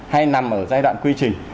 hay nằm ở giai đoạn quy trình